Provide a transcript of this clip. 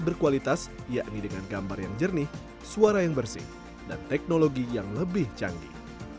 berkualitas yakni dengan gambar yang jernih suara yang bersih dan teknologi yang lebih canggih